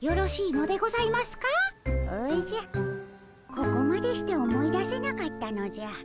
ここまでして思い出せなかったのじゃ。